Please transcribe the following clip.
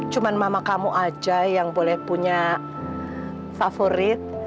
cuma mama kamu aja yang boleh punya favorit